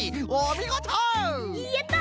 やった！